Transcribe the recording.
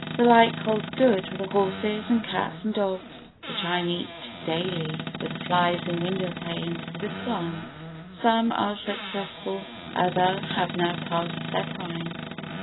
The like holds good with the horses and cats and dogs which I meet daily, with the flies in window panes and with plants, some are successful, other have now passed their prime.